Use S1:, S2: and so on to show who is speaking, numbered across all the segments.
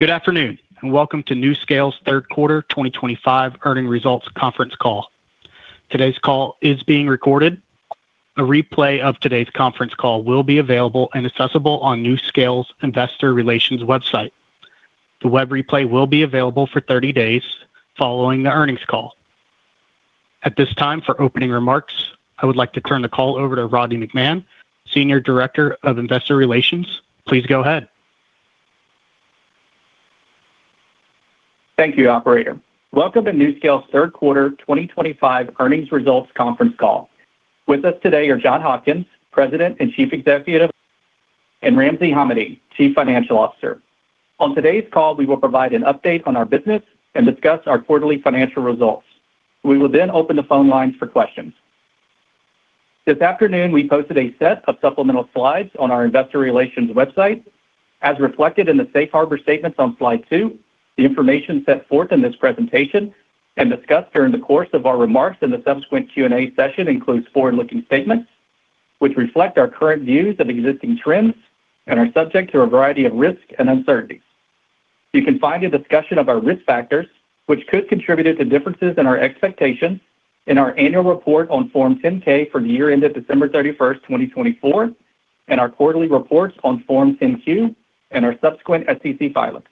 S1: Good afternoon and welcome to NuScale's Third Quarter 2025 Earning Results Conference Call. Today's call is being recorded. A replay of today's conference call will be available and accessible on NuScale's investor relations website. The web replay will be available for 30 days following the earnings call. At this time, for opening remarks, I would like to turn the call over to Rodney McMahan, Senior Director of Investor Relations. Please go ahead.
S2: Thank you, Operator. Welcome to NuScale's Third Quarter 2025 Earnings Results Conference Call. With us today are John Hopkins, President and Chief Executive, and Ramsey Hamady, Chief Financial Officer. On today's call, we will provide an update on our business and discuss our quarterly financial results. We will then open the phone lines for questions. This afternoon, we posted a set of supplemental slides on our investor relations website. As reflected in the Safe Harbor statements on slide two, the information set forth in this presentation and discussed during the course of our remarks in the subsequent Q&A session includes forward-looking statements which reflect our current views of existing trends and are subject to a variety of risks and uncertainties. You can find a discussion of our risk factors, which could contribute to differences in our expectations in our annual report on Form 10-K for the year ended December 31, 2024, and our quarterly reports on Form 10-Q and our subsequent SEC filings.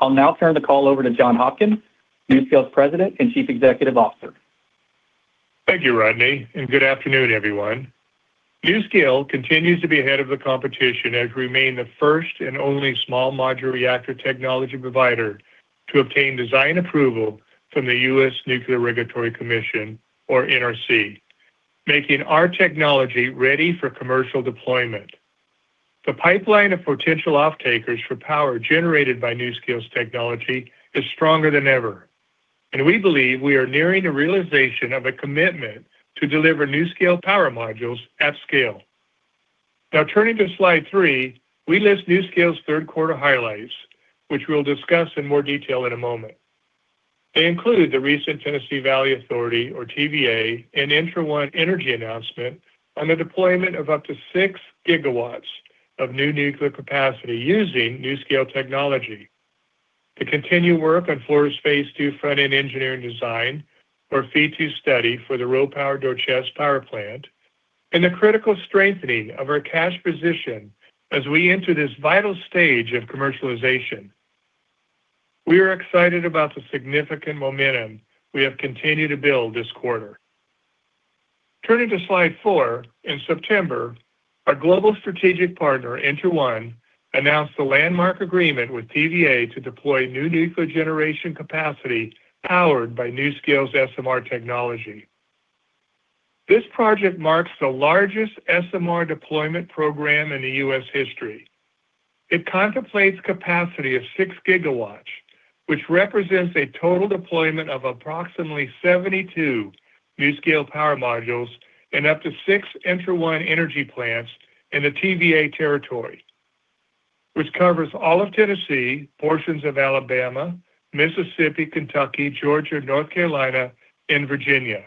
S2: I'll now turn the call over to John Hopkins, NuScale's President and Chief Executive Officer.
S3: Thank you, Rodney, and good afternoon, everyone. NuScale continues to be ahead of the competition as we remain the first and only small modular reactor technology provider to obtain design approval from the U.S. Nuclear Regulatory Commission, or NRC, making our technology ready for commercial deployment. The pipeline of potential off-takers for power generated by NuScale's technology is stronger than ever, and we believe we are nearing the realization of a commitment to deliver NuScale power modules at scale. Now, turning to slide three, we list NuScale's third quarter highlights, which we'll discuss in more detail in a moment. They include the recent Tennessee Valley Authority, or TVA, and ENTRA1 Energy announcement on the deployment of up to 6GW of new nuclear capacity using NuScale technology, the continued work on Florida's phase two front-end engineering design, or phase II study for the RoPower Dorchester power plant, and the critical strengthening of our cash position as we enter this vital stage of commercialization. We are excited about the significant momentum we have continued to build this quarter. Turning to slide four, in September. Our global strategic partner, ENTRA1, announced a landmark agreement with TVA to deploy new nuclear generation capacity powered by NuScale's SMR technology. This project marks the largest SMR deployment program in U.S. history. It contemplates a capacity of 6 GW, which represents a total deployment of approximately 72 NuScale power modules and up to 6 ENTRA1 Energy plants in the TVA territory. Which covers all of Tennessee, portions of Alabama, Mississippi, Kentucky, Georgia, North Carolina, and Virginia.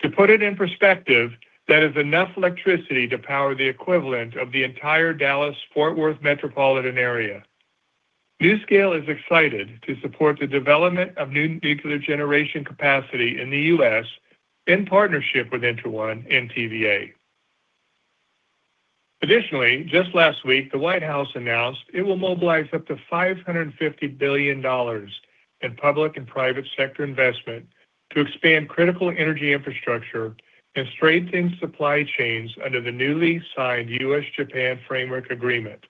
S3: To put it in perspective, that is enough electricity to power the equivalent of the entire Dallas-Fort Worth metropolitan area. NuScale is excited to support the development of new nuclear generation capacity in the U.S. in partnership with ENTRA1 and TVA. Additionally, just last week, the White House announced it will mobilize up to $550 billion in public and private sector investment to expand critical energy infrastructure and strengthen supply chains under the newly signed U.S.-Japan framework agreement.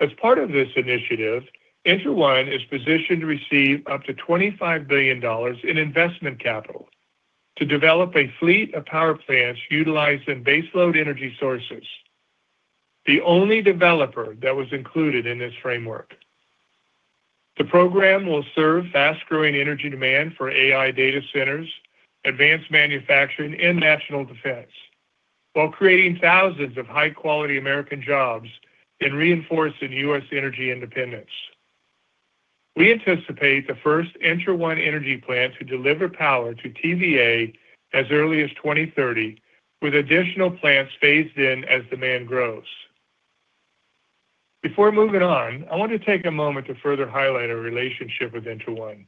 S3: As part of this initiative, ENTRA1 is positioned to receive up to $25 billion in investment capital to develop a fleet of power plants utilizing baseload energy sources, the only developer that was included in this framework. The program will serve fast-growing energy demand for AI data centers, advanced manufacturing, and national defense, while creating thousands of high-quality American jobs and reinforcing U.S. energy independence. We anticipate the first ENTRA1 energy plant to deliver power to TVA as early as 2030, with additional plants phased in as demand grows. Before moving on, I want to take a moment to further highlight our relationship with ENTRA1.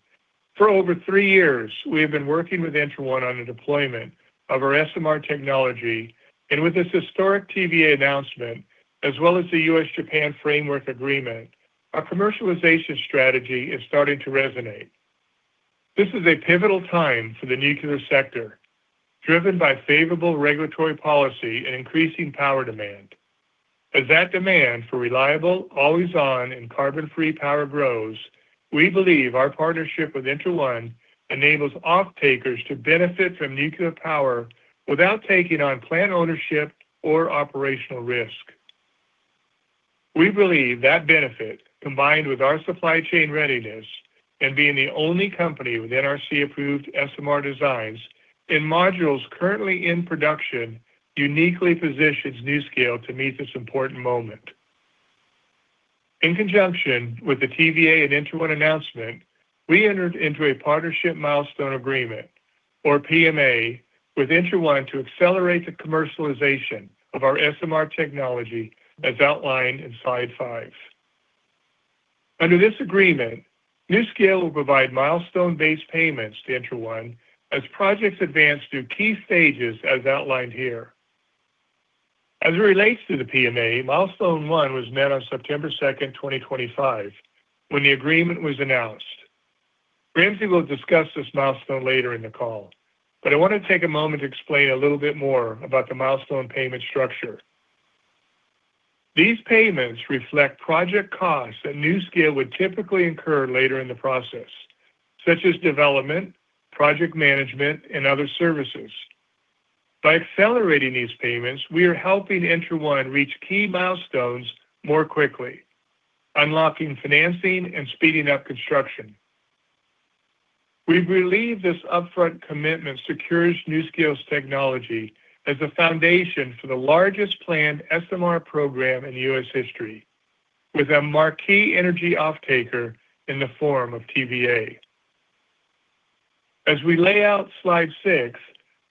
S3: For over three years, we have been working with ENTRA1 on the deployment of our SMR technology, and with this historic TVA announcement, as well as the U.S.-Japan framework agreement, our commercialization strategy is starting to resonate. This is a pivotal time for the nuclear sector, driven by favorable regulatory policy and increasing power demand. As that demand for reliable, always-on, and carbon-free power grows, we believe our partnership withENTRA1 enables off-takers to benefit from nuclear power without taking on plant ownership or operational risk. We believe that benefit, combined with our supply chain readiness and being the only company with NRC-approved SMR designs and modules currently in production, uniquely positions NuScale to meet this important moment. In conjunction with the TVA and ENTRA1 announcement, we entered into a partnership milestone agreement, or PMA, with ENTRA1 to accelerate the commercialization of our SMR technology as outlined in slide five. Under this agreement, NuScale will provide milestone-based payments to ENTRA1 as projects advance through key stages as outlined here. As it relates to the PMA, milestone one was met on September 2, 2025, when the agreement was announced. Ramsey will discuss this milestone later in the call, but I want to take a moment to explain a little bit more about the milestone payment structure. These payments reflect project costs that NuScale would typically incur later in the process, such as development, project management, and other services. By accelerating these payments, we are helping ENTRA1 reach key milestones more quickly, unlocking financing and speeding up construction. We believe this upfront commitment secures NuScale's technology as the foundation for the largest planned SMR program in U.S. history, with a marquee energy off-taker in the form of TVA. As we lay out slide six,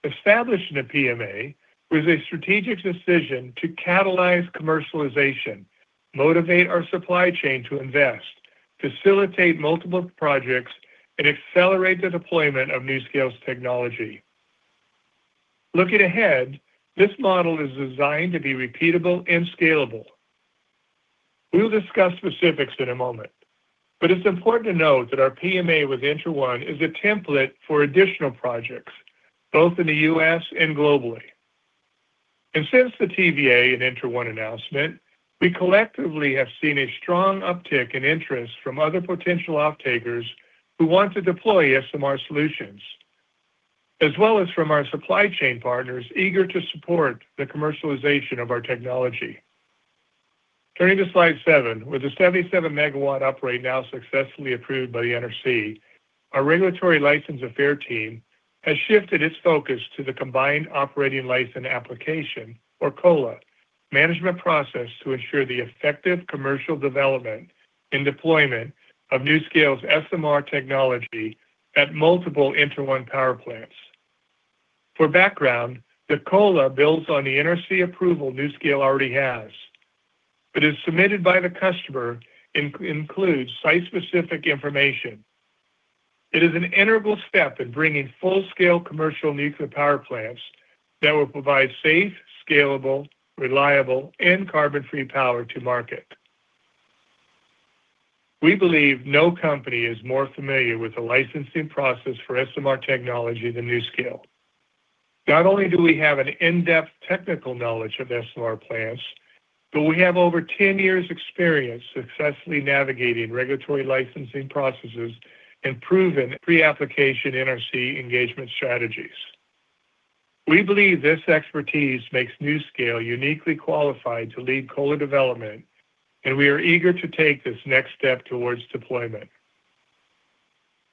S3: establishing the PMA was a strategic decision to catalyze commercialization, motivate our supply chain to invest, facilitate multiple projects, and accelerate the deployment of NuScale's technology. Looking ahead, this model is designed to be repeatable and scalable. We'll discuss specifics in a moment, but it's important to note that our PMA with ENTRA1 is a template for additional projects, both in the U.S. and globally. Since the TVA and ENTRA1 announcement, we collectively have seen a strong uptick in interest from other potential off-takers who want to deploy SMR solutions, as well as from our supply chain partners eager to support the commercialization of our technology. Turning to slide seven, with the 77 MW upgrade now successfully approved by the NRC, our regulatory license affair team has shifted its focus to the combined operating license application, or COLA, management process to ensure the effective commercial development and deployment of NuScale's SMR technology at multiple ENTRA1 power plants. For background, the COLA builds on the NRC approval NuScale already has, but is submitted by the customer and includes site-specific information. It is an integral step in bringing full-scale commercial nuclear power plants that will provide safe, scalable, reliable, and carbon-free power to market. We believe no company is more familiar with the licensing process for SMR technology than NuScale. Not only do we have an in-depth technical knowledge of SMR plants, but we have over 10 years' experience successfully navigating regulatory licensing processes and proven pre-application NRC engagement strategies. We believe this expertise makes NuScale uniquely qualified to lead COLA development, and we are eager to take this next step towards deployment.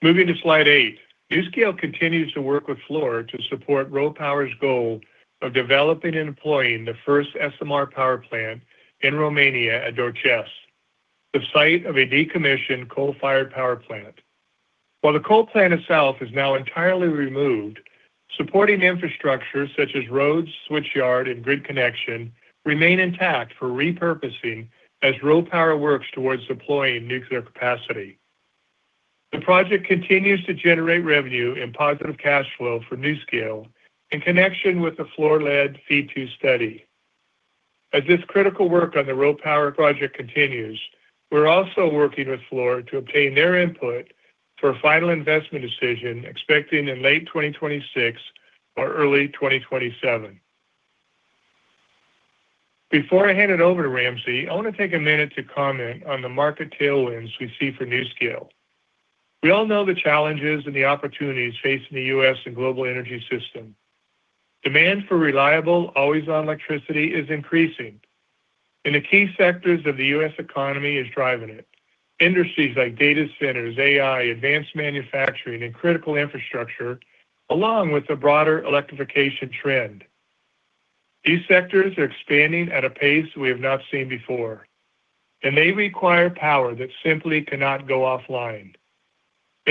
S3: Moving to slide eight, NuScale continues to work with Fluor to support RoPower's goal of developing and employing the first SMR power plant in Romania at Dorchester, the site of a decommissioned coal-fired power plant. While the coal plant itself is now entirely removed, supporting infrastructure such as roads, switch yards, and grid connection remain intact for repurposing as RoPower works towards deploying nuclear capacity. The project continues to generate revenue and positive cash flow for NuScale in connection with the Fluor-led phase II study. As this critical work on the RoPower project continues, we're also working with Fluor to obtain their input for a final investment decision expected in late 2026 or early 2027. Before I hand it over to Ramsey, I want to take a minute to comment on the market tailwinds we see for NuScale. We all know the challenges and the opportunities facing the U.S. and global energy system. Demand for reliable, always-on electricity is increasing, and the key sectors of the U.S. Economy are driving it: industries like data centers, AI, advanced manufacturing, and critical infrastructure, along with the broader electrification trend. These sectors are expanding at a pace we have not seen before, and they require power that simply cannot go offline.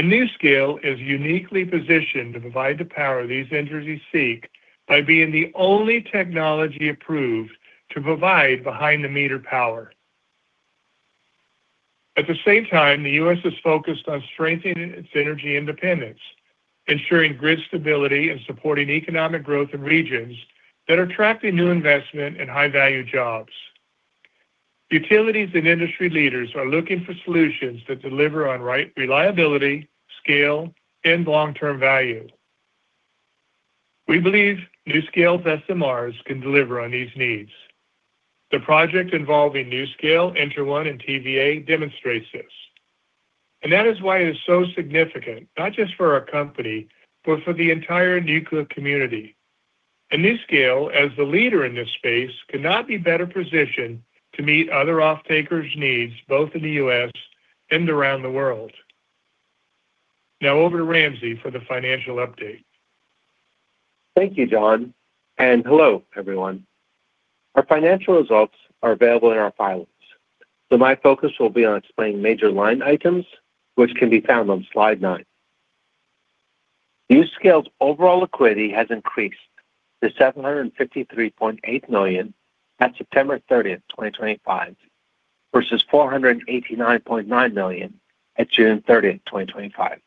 S3: NuScale is uniquely positioned to provide the power these industries seek by being the only technology approved to provide behind-the-meter power. At the same time, the U.S. is focused on strengthening its energy independence, ensuring grid stability, and supporting economic growth in regions that are attracting new investment and high-value jobs. Utilities and industry leaders are looking for solutions that deliver on reliability, scale, and long-term value. We believe NuScale's SMRs can deliver on these needs. The project involving NuScale, ENTRA1, and TVA demonstrates this. That is why it is so significant, not just for our company, but for the entire nuclear community. NuScale, as the leader in this space, cannot be better positioned to meet other off-takers' needs both in the U.S. and around the world. Now over to Ramsey for the financial update.
S4: Thank you, John. Hello, everyone. Our financial results are available in our filings, so my focus will be on explaining major line items, which can be found on slide nine. NuScale's overall liquidity has increased to $753.8 million at September 30, 2025, versus $489.9 million at June 30, 2025.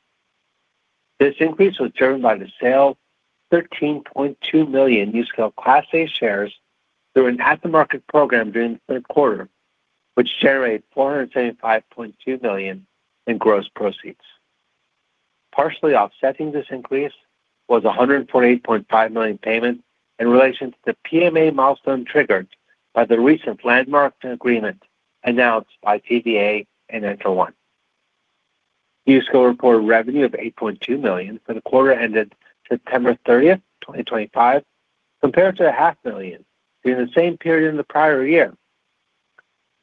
S4: This increase was driven by the sale of 13.2 million NuScale Class A shares through an aftermarket program during the third quarter, which generated $475.2 million in gross proceeds. Partially offsetting this increase was a $148.5 million payment in relation to the PMA milestone triggered by the recent landmark agreement announced by TVA and ENTRA1. NuScale reported revenue of $8.2 million for the quarter ended September 30, 2025, compared to $500,000 during the same period in the prior year.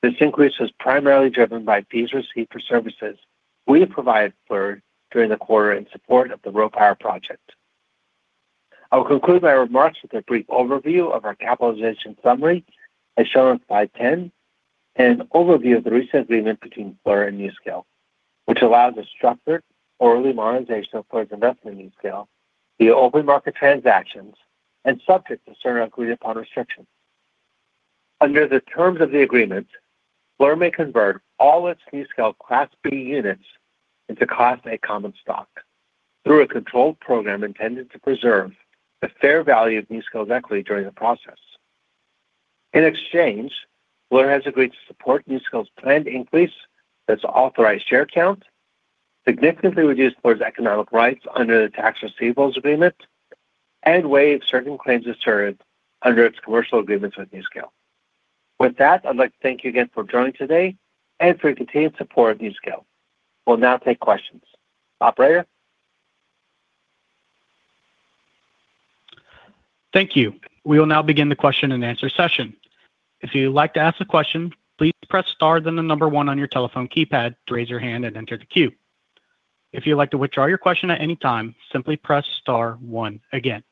S4: This increase was primarily driven by fees received for services we provided to Florida during the quarter in support of the RoPower project. I'll conclude my remarks with a brief overview of our capitalization summary as shown on slide 10 and an overview of the recent agreement between Fluor and NuScale, which allows a structured early monetization of Fluor's investment in NuScale via open market transactions and subject to certain agreed-upon restrictions. Under the terms of the agreement, Fluor may convert all its NuScale Class B units into Class A common stock through a controlled program intended to preserve the fair value of NuScale's equity during the process. In exchange, Fluor has agreed to support NuScale's planned increase of its authorized share count, significantly reduce Fluor's economic rights under the tax receivables agreement, and waive certain claims asserted under its commercial agreements with NuScale. With that, I'd like to thank you again for joining today and for your continued support of NuScale. We'll now take questions. Operator.
S1: Thank you. We will now begin the question-and-answer session. If you'd like to ask a question, please press star then the number one on your telephone keypad to raise your hand and enter the queue. If you'd like to withdraw your question at any time, simply press star one again.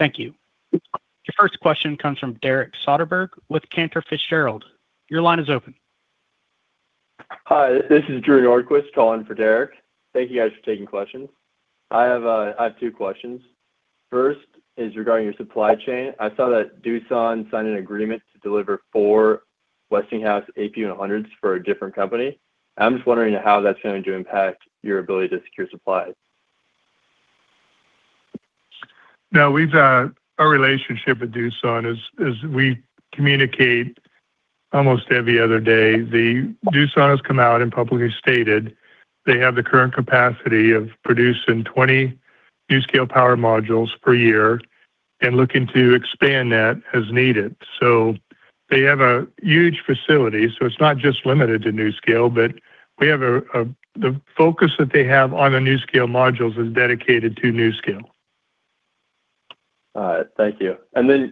S1: Thank you. Your first question comes from Drew Nordquist with Cantor Fitzgerald. Your line is open.
S5: Hi, this is Drew Nordquist calling for Derek. Thank you guys for taking questions. I have two questions. First is regarding your supply chain. I saw that Doosan signed an agreement to deliver four Westinghouse AP100s for a different company. I'm just wondering how that's going to impact your ability to secure supply.
S3: No, we've got a relationship with Doosan. We communicate almost every other day. Doosan has come out and publicly stated they have the current capacity of producing 20 NuScale power modules per year and looking to expand that as needed. They have a huge facility, so it's not just limited to NuScale, but the focus that they have on the NuScale modules is dedicated to NuScale.
S5: All right. Thank you.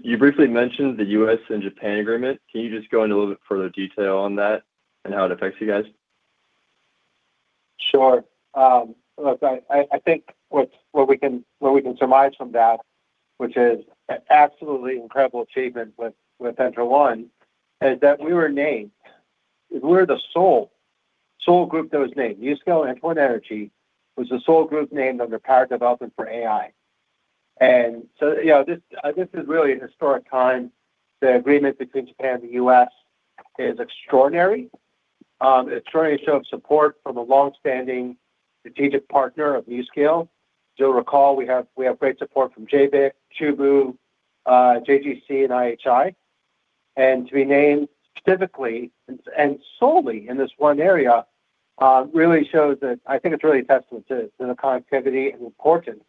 S5: You briefly mentioned the U.S. and Japan agreement. Can you just go into a little bit further detail on that and how it affects you guys?
S4: Sure. I think what we can surmise from that, which is an absolutely incredible achievement with ENTRA1, is that we were named. We were the sole group that was named. NuScale and Twin Energy was the sole group named under power development for AI. This is really a historic time. The agreement between Japan and the U.S. is extraordinary. It certainly shows support from a longstanding strategic partner of NuScale. As you'll recall, we have great support from JBIC, Chubu, JGC, and IHI. To be named specifically and solely in this one area really shows that I think it's really a testament to the connectivity and importance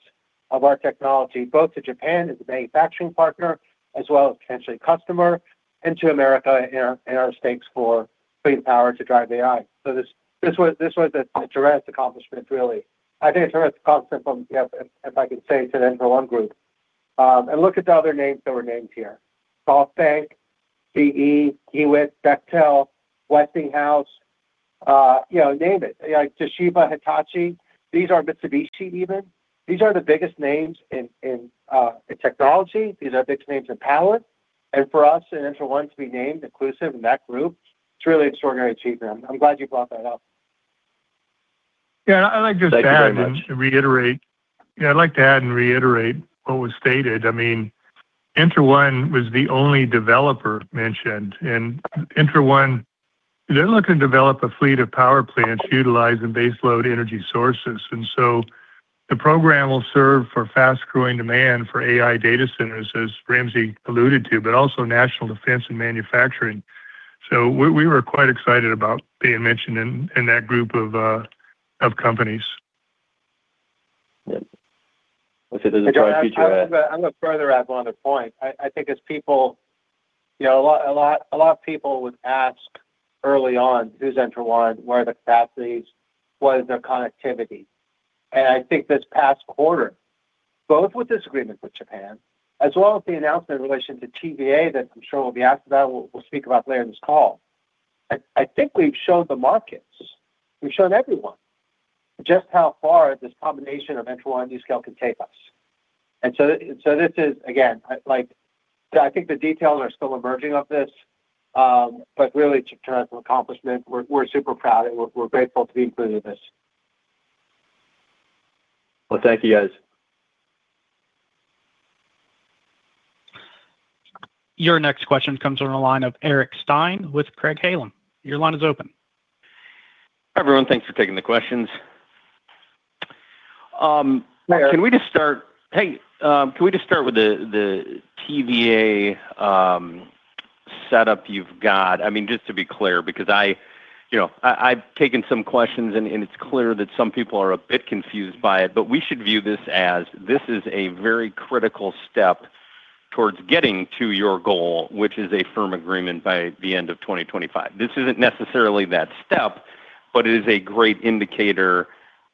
S4: of our technology, both to Japan as a manufacturing partner as well as potentially a customer, and to America and our stakes for clean power to drive AI. This was a tremendous accomplishment, really. I think it's a tremendous accomplishment, if I can say, to the ENTRA1 group. Look at the other names that were named here. Gulf Bank, GE, Hewitt, Bechtel, Westinghouse. Name it. Toshiba, Hitachi. These are Mitsubishi even. These are the biggest names in technology. These are big names in power. For us and ENTRA1 to be named inclusive in that group, it's really an extraordinary achievement. I'm glad you brought that up.
S3: Yeah, I'd like to just add and reiterate. I'd like to add and reiterate what was stated. I mean, ENTRA1 was the only developer mentioned. And ENTRA 1, they're looking to develop a fleet of power plants utilizing baseload energy sources. The program will serve for fast-growing demand for AI data centers, as Ramsey alluded to, but also national defense and manufacturing. We were quite excited about being mentioned in that group of companies.
S4: I'm going to further add one other point. I think as people, a lot of people would ask early on who's ENTRA1, where are the capacities, what is their connectivity. I think this past quarter, both with this agreement with Japan, as well as the announcement in relation to TVA that I'm sure we'll be asked about, we'll speak about later in this call, I think we've shown the markets, we've shown everyone just how far this combination of ENTRA1 and NuScale can take us. This is, again, I think the details are still emerging of this, but really it's a tremendous accomplishment. We're super proud and we're grateful to be included in this. Thank you, guys.
S1: Your next question comes on the line of Eric Stine with Craig-Hallum. Your line is open.
S6: Hi, everyone. Thanks for taking the questions. Can we just start—hey, can we just start with the TVA setup you've got? I mean, just to be clear, because I've taken some questions and it's clear that some people are a bit confused by it, but we should view this as this is a very critical step towards getting to your goal, which is a firm agreement by the end of 2025. This isn't necessarily that step, but it is a great indicator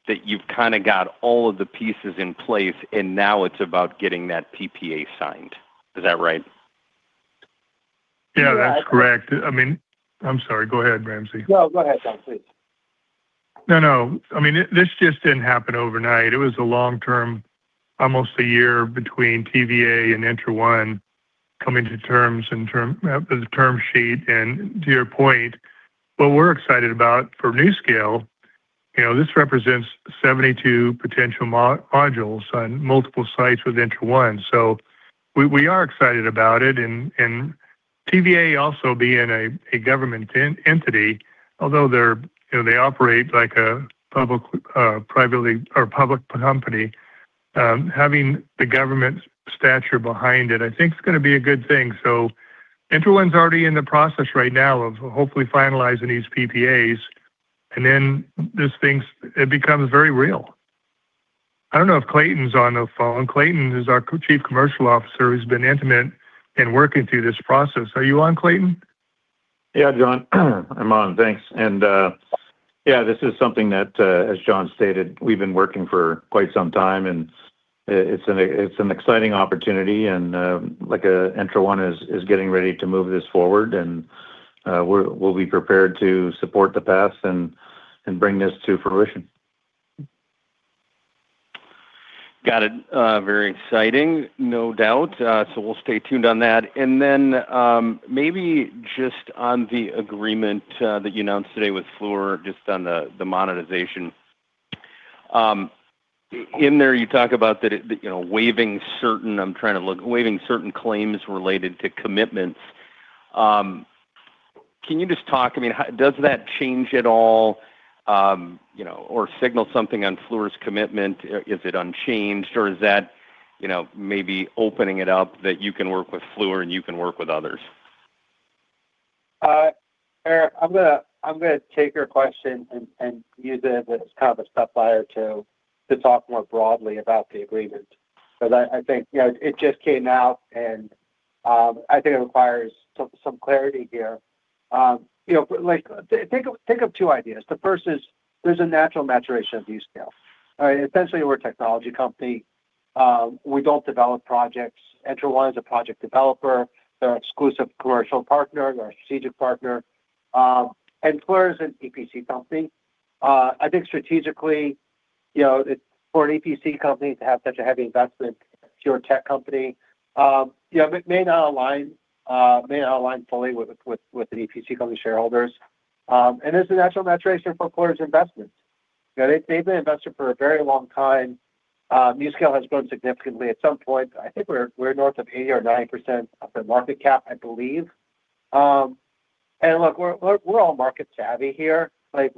S6: that you've kind of got all of the pieces in place and now it's about getting that PPA signed. Is that right?
S3: Yeah, that's correct. I mean, I'm sorry. Go ahead, Ramsey.
S4: No, go ahead, John, please.
S3: No, no. I mean, this just did not happen overnight. It was a long term, almost a year between TVA and ENTRA1 coming to terms and the term sheet. To your point, what we are excited about for NuScale, this represents 72 potential modules on multiple sites with ENTRA1. We are excited about it. TVA also being a government entity, although they operate like a public company. Having the government stature behind it, I think it is going to be a good thing. ENTRA1 is already in the process right now of hopefully finalizing these PPAs, and then this thing, it becomes very real. I do not know if Clayton is on the phone. Clayton is our Chief Commercial Officer who has been intimate in working through this process. Are you on, Clayton?
S7: Yeah, John. I'm on. Thanks. Yeah, this is something that, as John stated, we've been working for quite some time, and it's an exciting opportunity. ENTRA1 is getting ready to move this forward, and we'll be prepared to support the path and bring this to fruition.
S6: Got it. Very exciting, no doubt. We'll stay tuned on that. Maybe just on the agreement that you announced today with Fluor, just on the monetization. In there, you talk about waiving certain—I am trying to look—waiving certain claims related to commitments. Can you just talk—I mean, does that change at all or signal something on Fluor's commitment? Is it unchanged, or is that maybe opening it up that you can work with Fluor and you can work with others?
S4: Eric, I'm going to take your question and use it as kind of a stepfire to talk more broadly about the agreement. Because I think it just came out, and I think it requires some clarity here. Think of two ideas. The first is there's a natural maturation of NuScale. Essentially, we're a technology company. We don't develop projects. ENTRA1 is a project developer. They're an exclusive commercial partner. They're a strategic partner. Fluor is an EPC company. I think strategically, for an EPC company to have such a heavy investment, a pure tech company. It may not align fully with the EPC company shareholders. There's a natural maturation for Fluor's investment. They've been investing for a very long time. NuScale has grown significantly at some point. I think we're north of 80% or 90% of their market cap, I believe. Look, we're all market savvy here.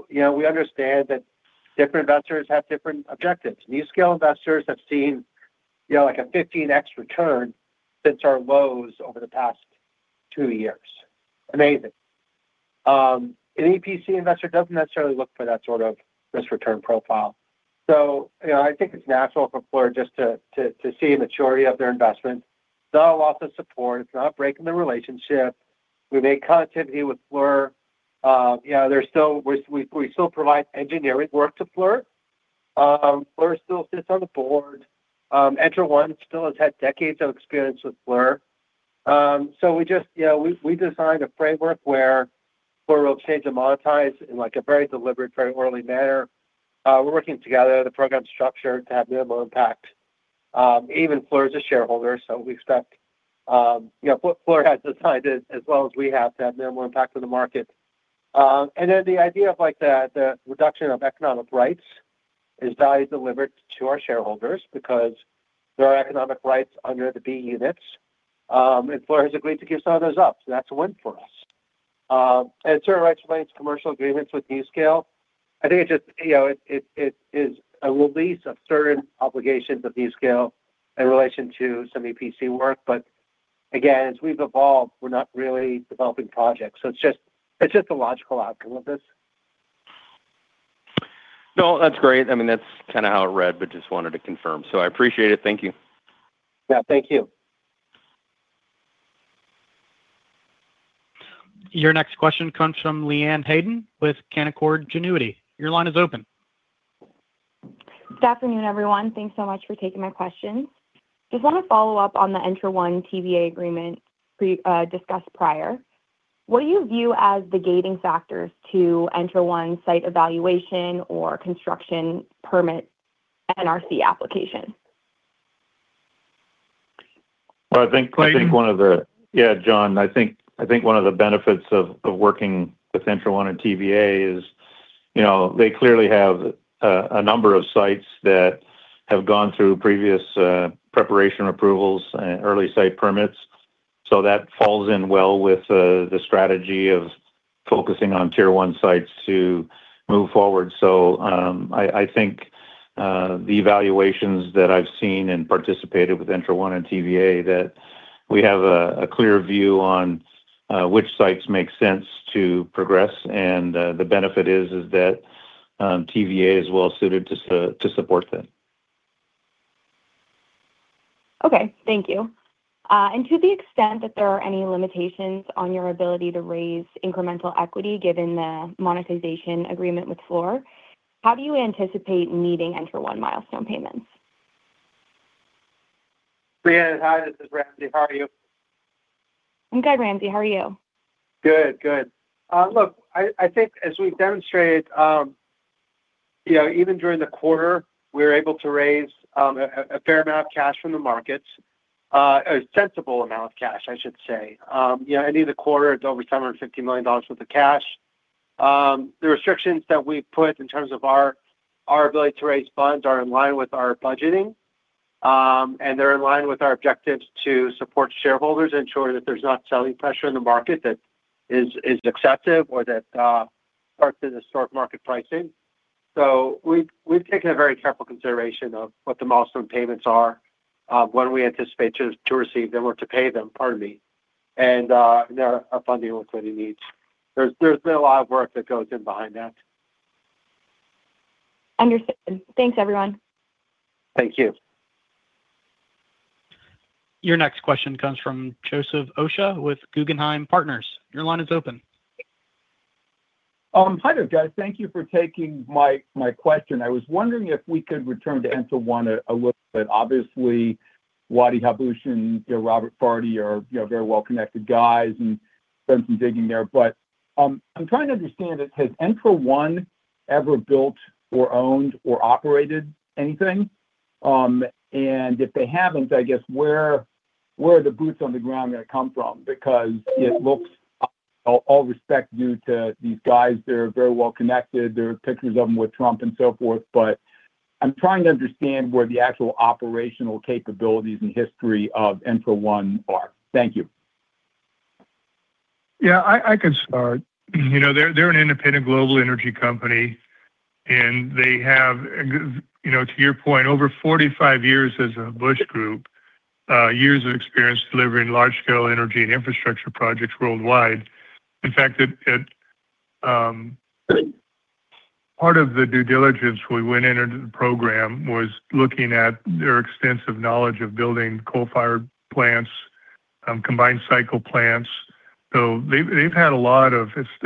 S4: We understand that different investors have different objectives. NuScale investors have seen a 15x return since our lows over the past two years. Amazing. An EPC investor doesn't necessarily look for that sort of risk-return profile. I think it's natural for Fluor just to see a maturity of their investment. It's not a loss of support. It's not breaking the relationship. We made connectivity with Fluor. We still provide engineering work to Fluor. Fluor still sits on the board. ENTRA1 still has had decades of experience with Fluor. We designed a framework where Fluor will exchange and monetize in a very deliberate, very early manner. We're working together. The program's structured to have minimal impact. Even Fluor is a shareholder, so we expect Fluor has designed it as well as we have to have minimal impact on the market. The idea of the reduction of economic rights is value delivered to our shareholders because there are economic rights under the B units. Fluor has agreed to give some of those up. That is a win for us. Certain rights related to commercial agreements with NuScale, I think it just is a release of certain obligations of NuScale in relation to some EPC work. Again, as we have evolved, we are not really developing projects. It is just the logical outcome of this.
S6: No, that's great. I mean, that's kind of how it read, but just wanted to confirm. So I appreciate it. Thank you.
S4: Yeah, thank you.
S1: Your next question comes from Leanne Hayden with Canaccord Genuity. Your line is open.
S8: Good afternoon, everyone. Thanks so much for taking my questions. Just want to follow up on the ENTRA1 TVA agreement discussed prior. What do you view as the gating factors to ENTRA1 One site evaluation or construction permit NRC application?
S7: I think one of the—yeah, John, I think one of the benefits of working with ENTRA1 and TVA is they clearly have a number of sites that have gone through previous preparation approvals and early site permits. That falls in well with the strategy of focusing on tier one sites to move forward. I think the evaluations that I've seen and participated ENTRA1 and TVA, that we have a clear view on which sites make sense to progress. The benefit is that TVA is well suited to support that.
S8: Okay. Thank you. To the extent that there are any limitations on your ability to raise incremental equity given the monetization agreement with Fluor, how do you anticipate meeting ENTRA1 milestone payments?
S4: Leanne, hi. This is Ramsey. How are you?
S8: I'm good, Ramsey. How are you?
S4: Good, good. Look, I think as we've demonstrated. Even during the quarter, we were able to raise a fair amount of cash from the markets. A sensible amount of cash, I should say. At the end of the quarter, it's over $750 million worth of cash. The restrictions that we've put in terms of our ability to raise funds are in line with our budgeting. They're in line with our objectives to support shareholders and ensure that there's not selling pressure in the market that is excessive or that sparks in historic market pricing. We've taken a very careful consideration of what the milestone payments are, when we anticipate to receive them or to pay them, pardon me, and their funding liquidity needs. There's been a lot of work that goes in behind that.
S8: Understood. Thanks, everyone.
S4: Thank you.
S1: Your next question comes from Joseph Osha with Guggenheim Partners. Your line is open.
S9: Hi, there, guys. Thank you for taking my question. I was wondering if we could return to ENTRA1 a little bit. Obviously, Wadie Habboush and [Robert Fardy] are very well-connected guys and spent some digging there. I'm trying to understand, has ENTRA1 ever built or owned or operated anything? If they haven't, I guess, where are the boots on the ground going to come from? It looks, all respect due to these guys, they're very well connected. There are pictures of them with Trump and so forth. I'm trying to understand where the actual operational capabilities and history of ENTRA1. Thank you.
S3: Yeah, I can start. They're an independent global energy company. They have, to your point, over 45 years as a Habboush Group. Years of experience delivering large-scale energy and infrastructure projects worldwide. In fact, part of the due diligence we went into the program was looking at their extensive knowledge of building coal-fired plants, combined cycle plants. They've had a lot of—it's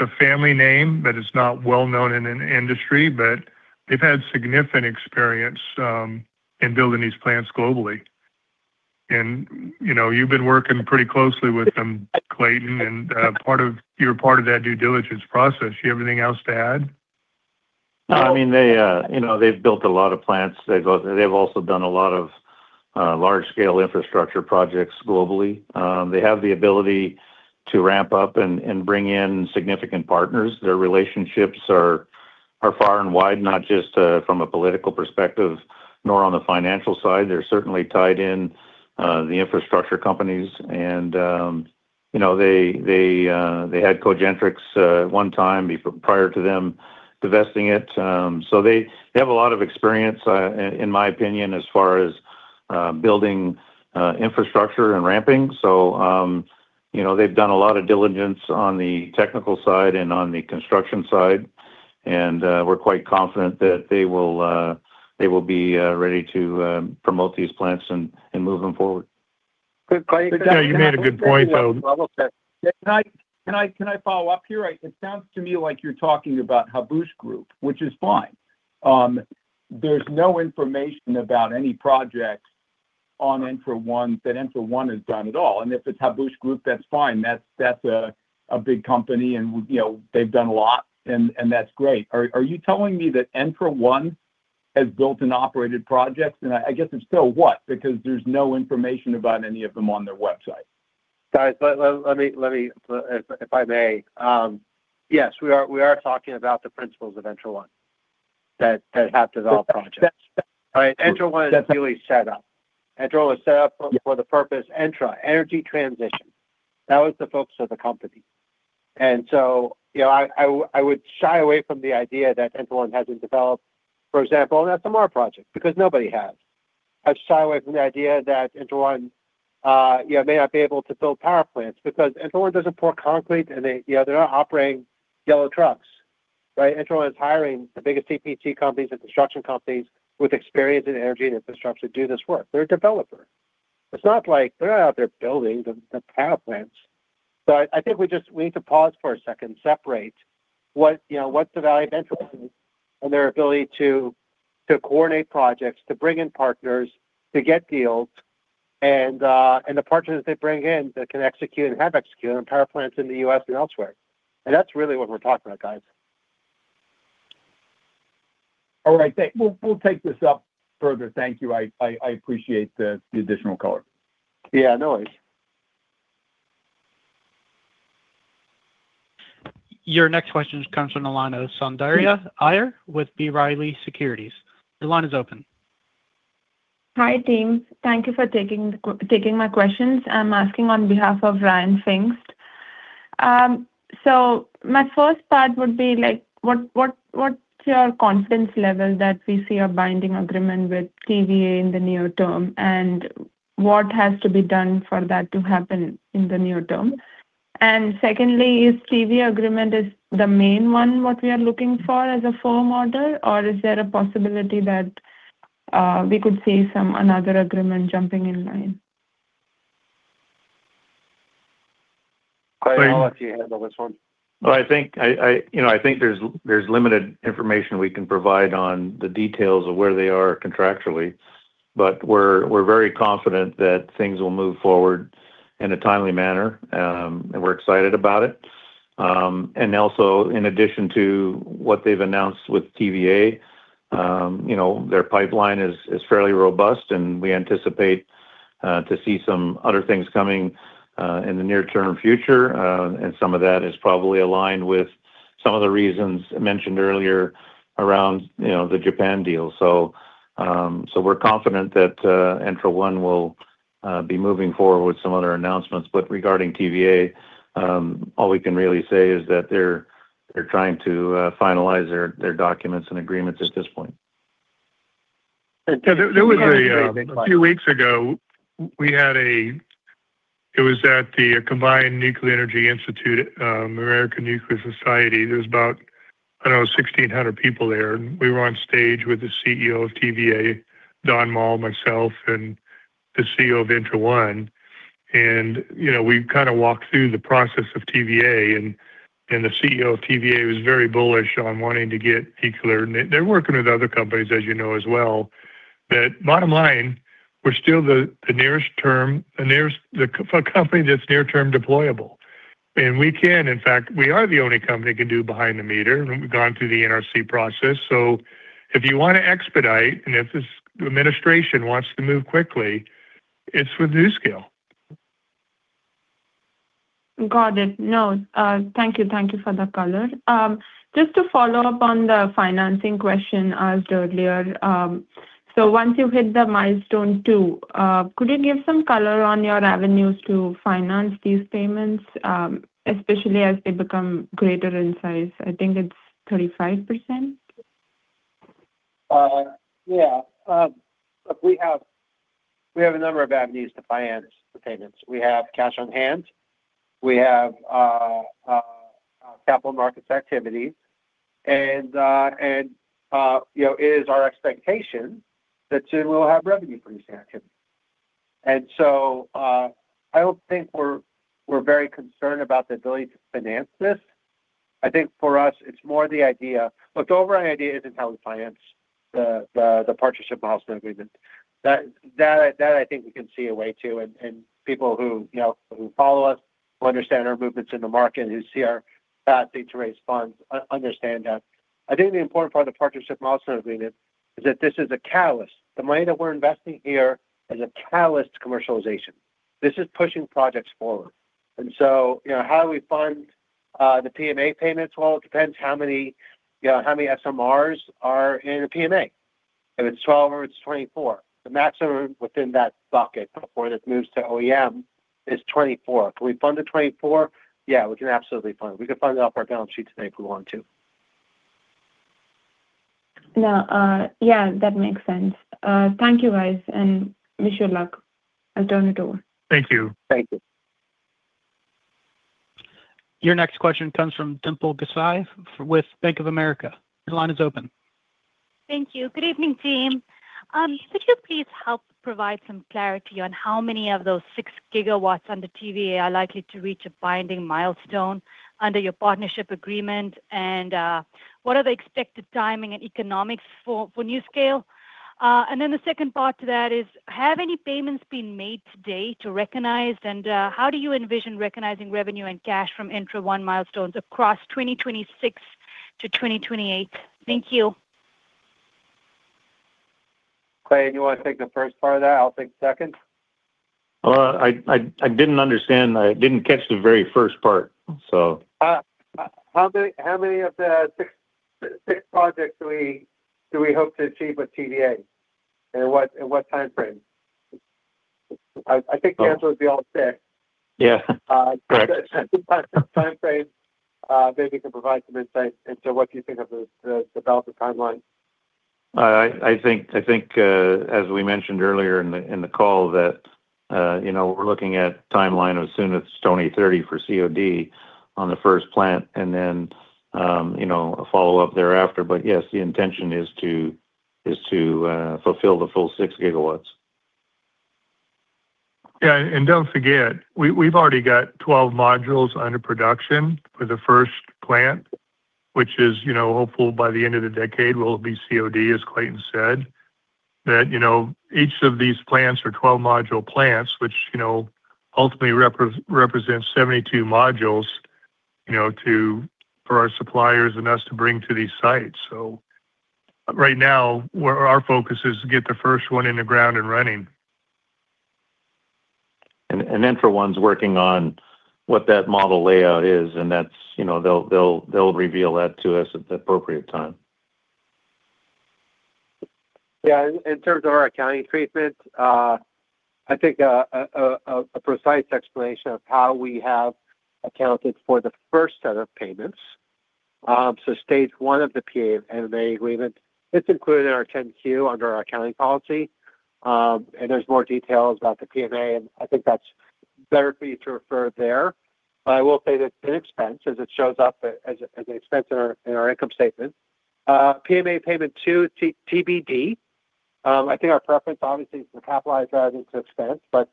S3: a family name, but it's not well-known in the industry, but they've had significant experience in building these plants globally. You've been working pretty closely with them, Clayton, and you're part of that due diligence process. Do you have anything else to add?
S7: No, I mean, they've built a lot of plants. They've also done a lot of large-scale infrastructure projects globally. They have the ability to ramp up and bring in significant partners. Their relationships are far and wide, not just from a political perspective, nor on the financial side. They're certainly tied in the infrastructure companies. They had Cogentrix at one time prior to them divesting it. So they have a lot of experience, in my opinion, as far as building infrastructure and ramping. They've done a lot of diligence on the technical side and on the construction side. We're quite confident that they will be ready to promote these plants and move them forward.
S4: Good, Clayton.
S9: Yeah, you made a good point. Can I follow up here? It sounds to me like you're talking about Habboush Group, which is fine. There's no information about any projects on ENTRA1 that ENTRA1 has done at all. If it's Habboush Group, that's fine. That's a big company, and they've done a lot, and that's great. Are you telling me that ENTRA1 has built and operated projects? I guess if so, what? Because there's no information about any of them on their website.
S4: Sorry, let me—if I may. Yes, we are talking about the principals of ENTRA1 that have developed projects.
S3: All right. ENTRA1 is really set up. ENTRA1 was set up for the purpose of Entra, energy transition. That was the focus of the company. I would shy away from the idea that ENTRA1 hasn't developed, for example, an SMR project, because nobody has. I'd shy away from the idea that ENTRA1 may not be able to build power plants because ENTRA1 doesn't pour concrete, and they're not operating yellow trucks. Right? ENTRA1 is hiring the biggest EPC companies and construction companies with experience in energy and infrastructure to do this work. They're a developer. It's not like they're not out there building the power plants. I think we need to pause for a second and separate what's the value of ENTRA1 and their ability to. Coordinate projects, to bring in partners, to get deals, and the partners that they bring in that can execute and have executed on power plants in the U.S. and elsewhere. That is really what we are talking about, guys.
S9: All right. We will take this up further. Thank you. I appreciate the additional color.
S4: Yeah, no worries.
S1: Your next question comes from Ilana Sondaria Iyer with B. Riley Securities. Your line is open.
S10: Hi, team. Thank you for taking my questions. I'm asking on behalf of Ryan Pfingst. My first part would be, what's your confidence level that we see a binding agreement with TVA in the near term, and what has to be done for that to happen in the near term? Secondly, is TVA agreement the main one we are looking for as a firm order, or is there a possibility that we could see another agreement jumping in line?
S4: Clay, I don't know if you handle this one.
S7: I think there's limited information we can provide on the details of where they are contractually. But, we're very confident that things will move forward in a timely manner, and we're excited about it. In addition to what they've announced with TVA, their pipeline is fairly robust, and we anticipate to see some other things coming in the near-term future. Some of that is probably aligned with some of the reasons mentioned earlier around the Japan deal. We are confident that ENTRA1 will be moving forward with some other announcements. Regarding TVA, all we can really say is that they're trying to finalize their documents and agreements at this point.
S3: There was a few weeks ago, we had a— It was at the Combined Nuclear Energy Institute, American Nuclear Society. There was about, I don't know, 1,600 people there. We were on stage with the CEO of TVA, Don Mall, myself, and the CEO of ENTRA1. We kind of walked through the process of TVA. The CEO of TVA was very bullish on wanting to get nuclear. They are working with other companies, as you know, as well. Bottom line, we are still the nearest term, the company that's near-term deployable. We can, in fact, we are the only company that can do behind the meter. We have gone through the NRC process. If you want to expedite, and if this administration wants to move quickly, it's with NuScale.
S10: Got it. [No]. Thank you. Thank you for the color. Just to follow up on the financing question asked earlier. Once you hit the milestone two, could you give some color on your avenues to finance these payments, especially as they become greater in size? I think it is 35%.
S4: Yeah. We have a number of avenues to finance the payments. We have cash on hand. We have capital markets activity. It is our expectation that soon we'll have revenue-producing activity. I do not think we're very concerned about the ability to finance this. I think for us, it's more the idea—look, the overall idea isn't how we finance the partnership milestone agreement. That I think we can see a way to. People who follow us, who understand our movements in the market, who see our pathway to raise funds understand that. I think the important part of the partnership milestone agreement is that this is a catalyst. The money that we're investing here is a catalyst to commercialization. This is pushing projects forward. How do we fund the PMA payments? It depends how many SMRs are in a PMA. If it is 12 or it is 24, the maximum within that bucket before that moves to OEM is 24. Can we fund the 24? Yeah, we can absolutely fund it. We can fund it off our balance sheet today if we want to.
S10: Yeah, that makes sense. Thank you, guys. I wish you luck. I'll turn it over.
S3: Thank you.
S4: Thank you.
S1: Your next question comes from Dimple Gosai with Bank of America. Your line is open.
S11: Thank you. Good evening, team. Could you please help provide some clarity on how many of those 6 GW under TVA are likely to reach a binding milestone under your partnership agreement? What are the expected timing and economics for NuScale? The second part to that is, have any payments been made to date to recognize? How do you envision recognizing revenue and cash from ENTRA1 milestones across 2026-2028? Thank you.
S4: Clay, do you want to take the first part of that? I'll take the second.
S7: I didn't understand. I didn't catch the very first part, so.
S11: How many of the six projects do we hope to achieve with TVA, and what timeframe? I think the answer would be all six.
S7: Yeah. Correct.
S11: Sometimes timeframe maybe can provide some insight into what you think of the development timeline.
S7: I think, as we mentioned earlier in the call, that we're looking at a timeline as soon as 2030 for COD on the first plant and then a follow-up thereafter. Yes, the intention is to fulfill the full 6 GW.
S3: Yeah. Do not forget, we have already got 12 modules under production for the first plant, which is hopeful by the end of the decade will be COD, as Clayton said. Each of these plants are 12-module plants, which ultimately represents 72 modules for our suppliers and us to bring to these sites. Right now, our focus is to get the first one in the ground and running.
S7: ENTRA1's working on what that model layout is. They'll reveal that to us at the appropriate time.
S4: Yeah. In terms of our accounting treatment. I think. A precise explanation of how we have accounted for the first set of payments. So stage one of the PMA agreement, it's included in our 10-Q under our accounting policy. And there's more details about the PMA. I think that's better for you to refer there. I will say that's an expense as it shows up as an expense in our income statement. PMA payment two, TBD. I think our preference, obviously, is to capitalize rather than to expense. That's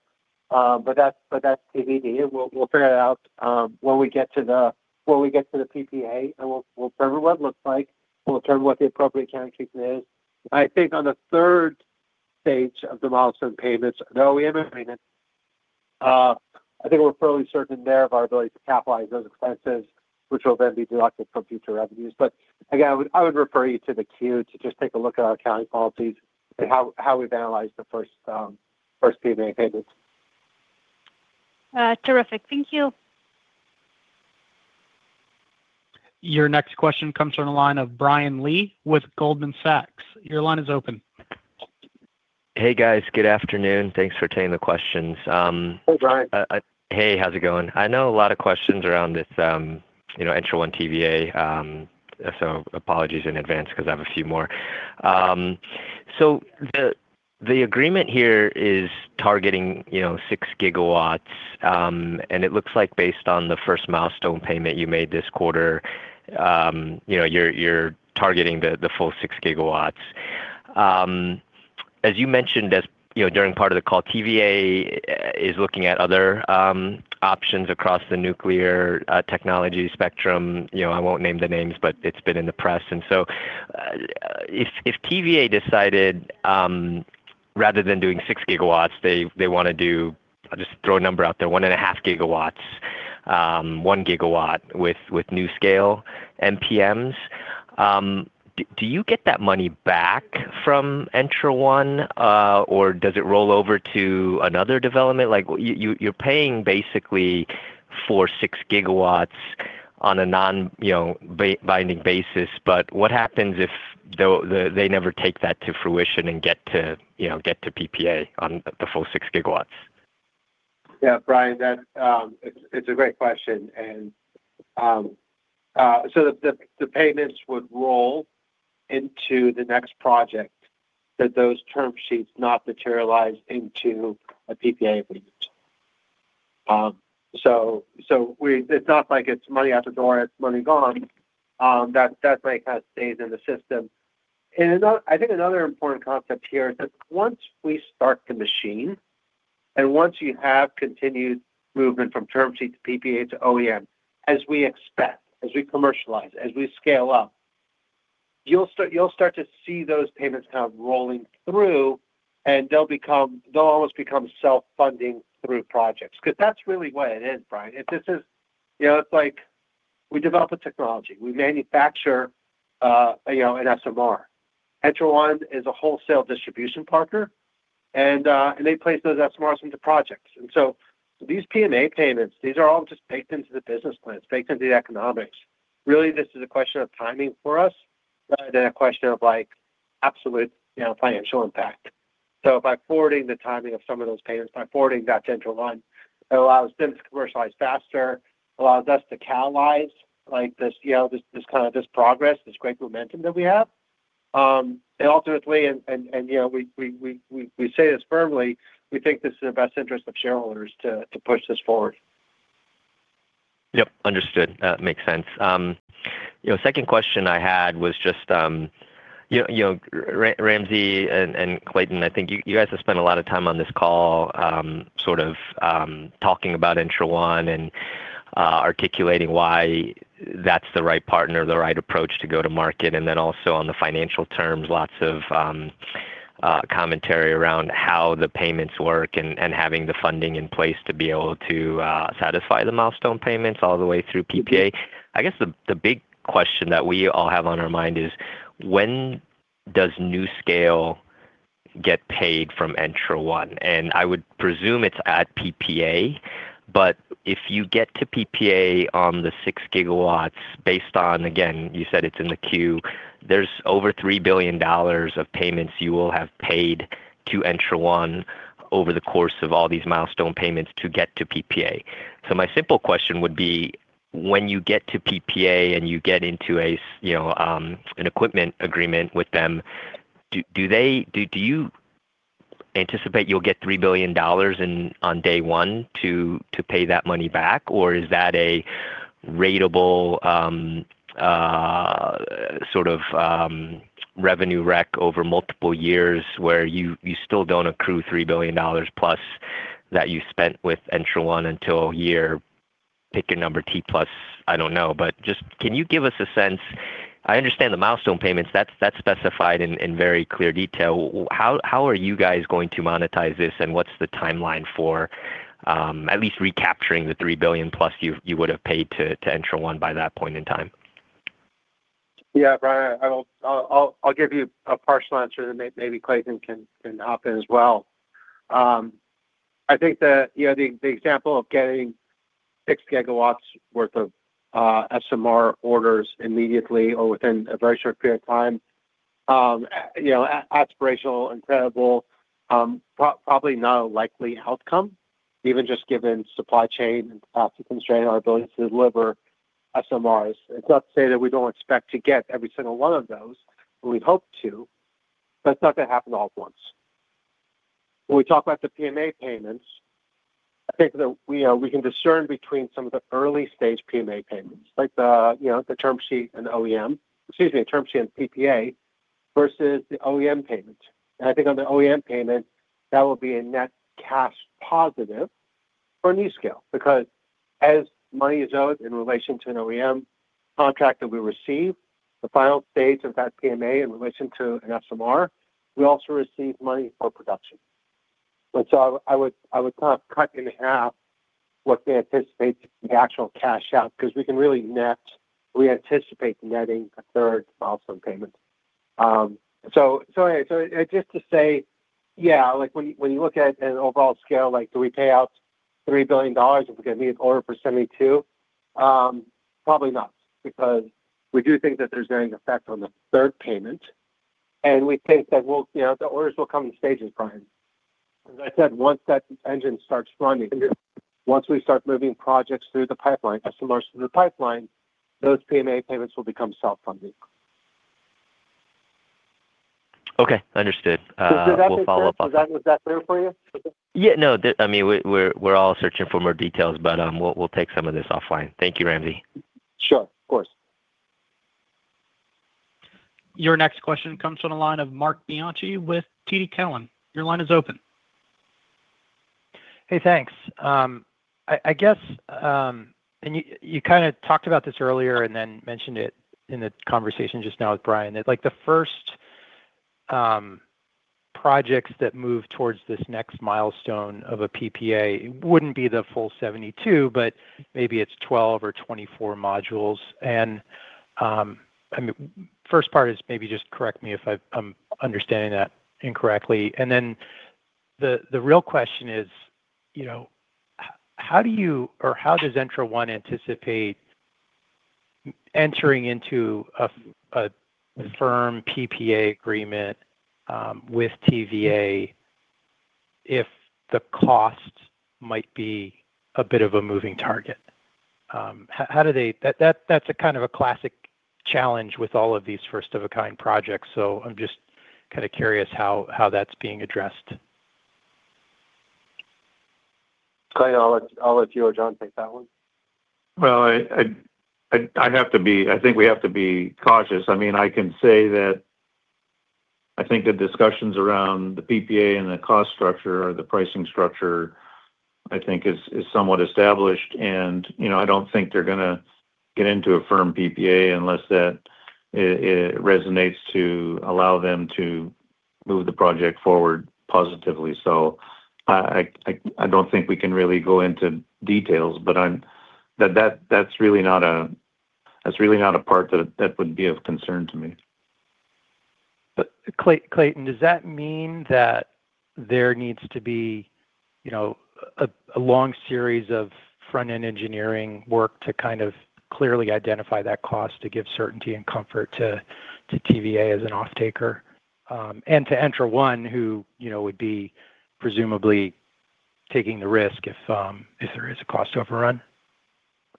S4: TBD. We'll figure it out when we get to the PPA. We'll determine what it looks like. We'll determine what the appropriate accounting treatment is. I think on the third stage of the milestone payments, the OEM agreement. I think we're fairly certain there of our ability to capitalize those expenses, which will then be deducted from future revenues. Again, I would refer you to the Q2 to just take a look at our accounting policies and how we've analyzed the first PMA payments.
S11: Terrific. Thank you.
S1: Your next question comes from the line of Brian Lee with Goldman Sachs. Your line is open.
S12: Hey, guys. Good afternoon. Thanks for taking the questions.
S4: Hey, Brian.
S12: Hey, how's it going? I know a lot of questions around this ENTRA1 and TVA. So apologies in advance because I have a few more. The agreement here is targeting 6 GW. And it looks like based on the first milestone payment you made this quarter, you're targeting the full 6 GW. As you mentioned during part of the call, TVA is looking at other options across the nuclear technology spectrum. I won't name the names, but it's been in the press. If TVA decided, rather than doing 6 GW, they want to do—I’ll just throw a number out there—1.5 GW. 1 GW with NuScale MPMs. Do you get that money back from ENTRA1, or does it roll over to another development? You're paying basically for 6 GW on a non-binding basis. What happens if they never take that to fruition and get to PPA on the full 6 GW?
S4: Yeah, Brian, it's a great question. The payments would roll into the next project if those term sheets do not materialize into a PPA agreement. It's not like it's money out the door, it's money gone. That money kind of stays in the system. I think another important concept here is that once we start the machine and once you have continued movement from term sheet to PPA to OEM, as we expect, as we commercialize, as we scale up, you'll start to see those payments kind of rolling through. They'll almost become self-funding through projects. Because that's really what it is, Brian. It's like we develop a technology, we manufacture an SMR, ENTRA1 is a wholesale distribution partner, and they place those SMRs into projects. These PMA payments, these are all just baked into the business plans, baked into the economics. Really, this is a question of timing for us rather than a question of absolute financial impact. By forwarding the timing of some of those payments, by forwarding that to ENTRA1, it allows them to commercialize faster, allows us to catalyze this kind of progress, this great momentum that we have. Ultimately, we say this firmly, we think this is in the best interest of shareholders to push this forward.
S12: Yeah. Understood. That makes sense. Second question I had was just. Ramsey and Clayton, I think you guys have spent a lot of time on this call. Sort of talking about ENTRA1 and articulating why that's the right partner, the right approach to go to market. Also on the financial terms, lots of. Commentary around how the payments work and having the funding in place to be able to satisfy the milestone payments all the way through PPA. I guess the big question that we all have on our mind is, when does NuScale get paid from ENTRA1? I would presume it's at PPA. If you get to PPA on the 6 GW, based on, again, you said it's in the queue, there's over $3 billion of payments you will have paid to ENTRA1 over the course of all these milestone payments to get to PPA. My simple question would be, when you get to PPA and you get into an equipment agreement with them, do you anticipate you'll get $3 billion on day one to pay that money back? Or is that a ratable sort of revenue rec over multiple years where you still don't accrue $3 billion+ that you spent with ENTRA1 until year, pick your number, T plus, I don't know. Just can you give us a sense? I understand the milestone payments. That's specified in very clear detail. How are you guys going to monetize this? What's the timeline for that? At least recapturing the $3 billion+ you would have paid to ENTRA1 by that point in time?
S4: Yeah, Brian, I'll give you a partial answer that maybe Clayton can hop in as well. I think that the example of getting 6 GW worth of SMR orders immediately or within a very short period of time, aspirational, incredible, probably not a likely outcome, even just given supply chain and capacity constraint, our ability to deliver SMRs. It's not to say that we don't expect to get every single one of those, but we hope to. It's not going to happen all at once. When we talk about the PMA payments, I think that we can discern between some of the early-stage PMA payments, like the term sheet and PPA, versus the OEM payment. I think on the OEM payment, that will be a net cash positive for NuScale. Because as money is owed in relation to an OEM contract that we receive, the final stage of that PMA in relation to an SMR, we also receive money for production. I would not cut in half what we anticipate the actual cash out. Because we can really net, we anticipate netting a third milestone payment. Just to say, yeah, when you look at an overall scale, do we pay out $3 billion if we are going to be in order for 72? Probably not. We do think that there is going to be an effect on the third payment. We think that the orders will come in stages, Brian. As I said, once that engine starts running, once we start moving projects through the pipeline, SMRs through the pipeline, those PMA payments will become self-funding.
S12: Okay. Understood. We'll follow up on that.
S4: Was that clear for you?
S12: Yeah. No. I mean, we're all searching for more details, but we'll take some of this offline. Thank you, Ramsey.
S4: Sure. Of course.
S1: Your next question comes from the line of Marc Bianchi with TD Cowen. Your line is open.
S13: Hey, thanks. I guess. You kind of talked about this earlier and then mentioned it in the conversation just now with Brian. The first projects that move towards this next milestone of a PPA would not be the full 72, but maybe it is 12 modules or 24 modules. The first part is maybe just correct me if I am understanding that incorrectly. The real question is, how do you or how does ENTRA1 anticipate entering into a firm PPA agreement with TVA if the cost might be a bit of a moving target? How do they—that is kind of a classic challenge with all of these first-of-a-kind projects. I am just kind of curious how that is being addressed.
S4: Clay, I'll let you or John take that one.
S7: I have to be—I think we have to be cautious. I mean, I can say that. I think the discussions around the PPA and the cost structure or the pricing structure, I think, is somewhat established. I do not think they are going to get into a firm PPA unless that resonates to allow them to move the project forward positively. I do not think we can really go into details. That is really not a part that would be of concern to me.
S13: Clayton, does that mean that there needs to be a long series of front-end engineering work to kind of clearly identify that cost to give certainty and comfort to TVA as an off-taker? And to ENTRA1, who would be presumably taking the risk if there is a cost overrun?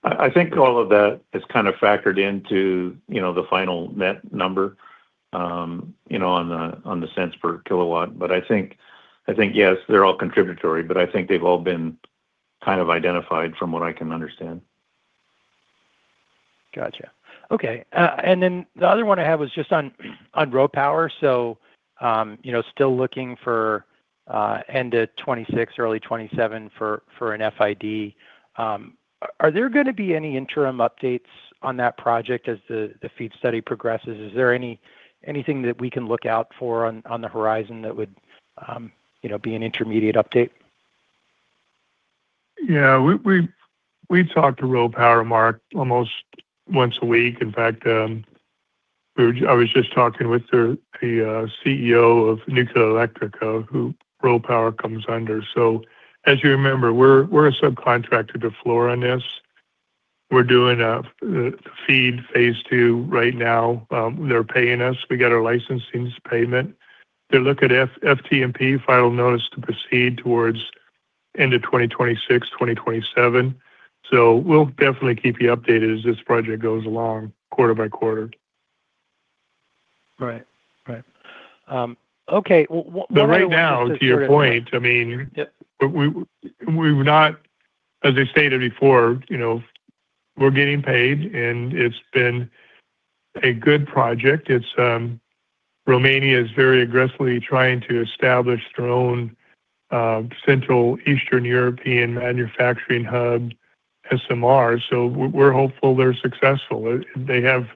S7: I think all of that is kind of factored into the final net number. On the cents per kW. I think, yes, they're all contributory. I think they've all been kind of identified from what I can understand.
S13: Gotcha. Okay. The other one I have was just on RoPower. Still looking for end of 2026, early 2027 for an FID. Are there going to be any interim updates on that project as the FEED study progresses? Is there anything that we can look out for on the horizon that would be an intermediate update?
S3: Yeah. We talk to RoPower, Mark, almost once a week. In fact, I was just talking with the CEO of Nuclearelectrica, who RoPower comes under. As you remember, we're a subcontractor to Fluor. We're doing the FEED phase II right now. They're paying us. We got our licensing payment. They're looking at FID, final notice to proceed towards end of 2026, 2027. We will definitely keep you updated as this project goes along quarter by quarter.
S13: Right. Okay. What about.
S3: Right now, to your point, I mean, we've not, as I stated before, we're getting paid, and it's been a good project. Romania is very aggressively trying to establish their own Central Eastern European manufacturing hub, SMR. So we're hopeful they're successful. They have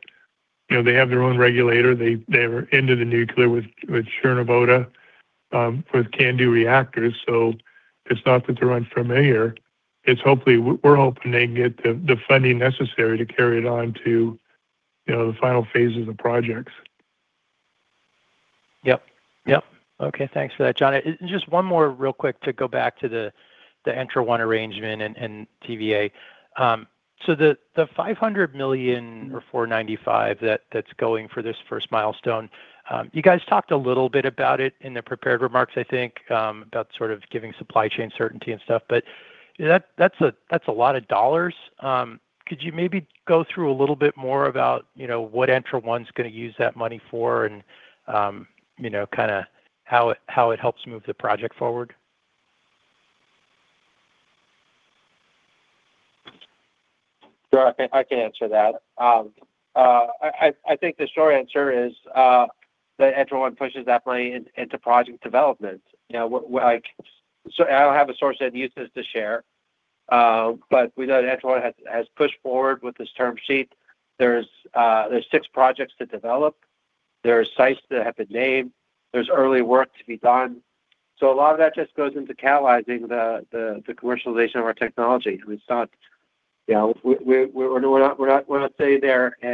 S3: their own regulator. They are into the nuclear with Chernobyl, with CANDU reactors, so it's not that they're unfamiliar. We're hoping they can get the funding necessary to carry it on to the final phases of projects.
S13: Yeah. Okay. Thanks for that, John. Just one more real quick to go back to the ENTRA1 arrangement and TVA. So the $500 million or $495 million that's going for this first milestone, you guys talked a little bit about it in the prepared remarks, I think, about sort of giving supply chain certainty and stuff. But that's a lot of dollars. Could you maybe go through a little bit more about what ENTRA1's going to use that money for and kind of how it helps move the project forward?
S4: Sure. I can answer that. I think the short answer is that ENTRA1 pushes that money into project development. I do not have a source that uses to share. But we know that ENTRA1 has pushed forward with this term sheet. There are six projects to develop. There are sites that have been named. There is early work to be done. A lot of that just goes into catalyzing the commercialization of our technology. I mean, it is not. We are not saying there. We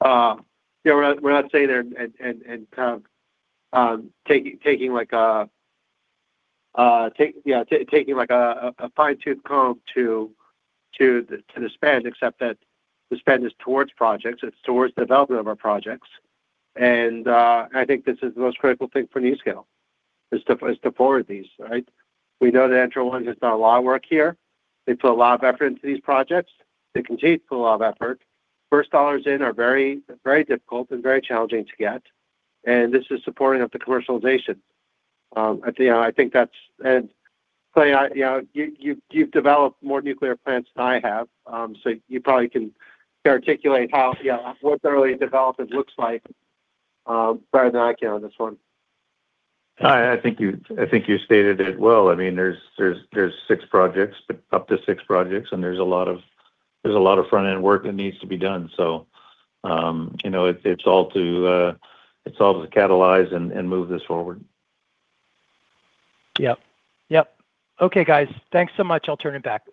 S4: are not saying there and kind of taking, like, a fine-toothed comb to the spend, except that the spend is towards projects. It is towards the development of our projects. I think this is the most critical thing for NuScale. It is to forward these, right? We know that ENTRA1 has done a lot of work here. They put a lot of effort into these projects. They continue to put a lot of effort. First dollars in are very difficult and very challenging to get. This is supporting up the commercialization. I think that's—and, Clay, you've developed more nuclear plants than I have. You probably can articulate how what early development looks like better than I can on this one.
S7: I think you stated it well. I mean, there are six projects, up to six projects. And there is a lot of front-end work that needs to be done. It is all to catalyze and move this forward.
S13: Yeah. Okay, guys. Thanks so much. I'll turn it back.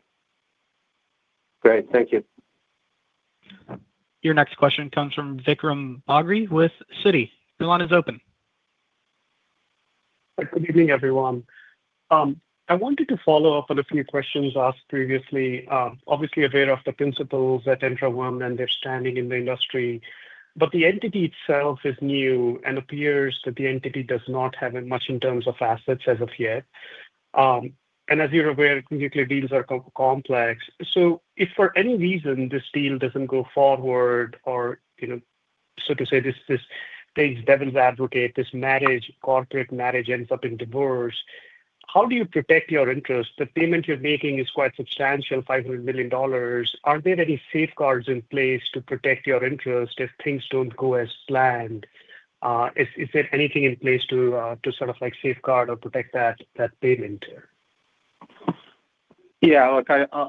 S4: Great. Thank you.
S1: Your next question comes from Vikram Bagri with Citi. The line is open.
S14: Good evening, everyone. I wanted to follow up on a few questions asked previously, obviously aware of the principals at ENTRA1 and their standing in the industry. The entity itself is new and appears that the entity does not have much in terms of assets as of yet. As you're aware, nuclear deals are complex. If for any reason this deal does not go forward or, to say, this devil's advocate, this corporate marriage ends up in divorce, how do you protect your interest? The payment you're making is quite substantial, $500 million. Are there any safeguards in place to protect your interest if things do not go as planned? Is there anything in place to sort of safeguard or protect that payment?
S4: Yeah.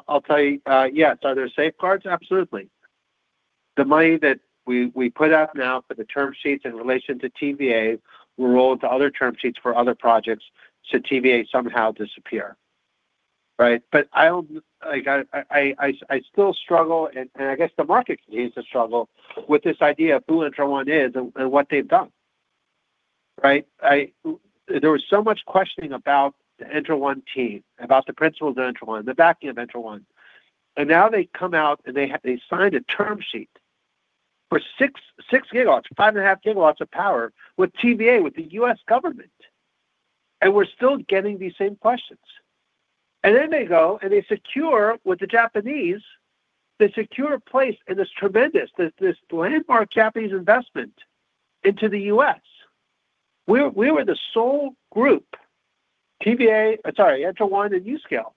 S4: I'll tell you, yes. Are there safeguards? Absolutely. The money that we put out now for the term sheets in relation to TVA will roll into other term sheets for other projects if TVA somehow disappears, right? I still struggle—and I guess the market continues to struggle—with this idea of who ENTRA1 is and what they've done, right? There was so much questioning about the ENTRA1 team, about the principals of ENTRA1, the backing of ENTRA1. Now they come out and they signed a term sheet for 6 GW, 5.5 GW of power with TVA, with the U.S. government. We're still getting these same questions. Then they go and they secure with the Japanese, they secure a place in this tremendous, this landmark Japanese investment into the U.S. We were the sole group. TVA—sorry, ENTRA1 and NuScale.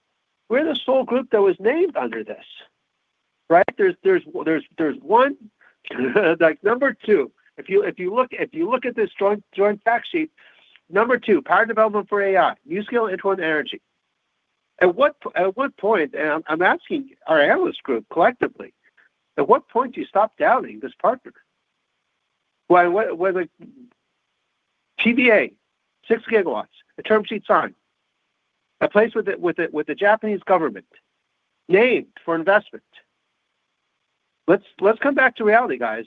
S4: We're the sole group that was named under this, right? There's one. Number two, if you look at this joint fact sheet, number two, power development for AI, NuScale, ENTRA1 Energy. At what point—and I'm asking our analyst group collectively—at what point do you stop doubting this partner? When TVA, 6 GW, a term sheet signed. A place with the Japanese government. Named for investment. Let's come back to reality, guys.